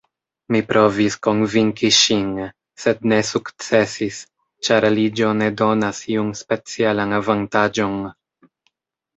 Mi provis konvinki ŝin, sed ne sukcesis, ĉar aliĝo ne donas iun specialan avantaĝon.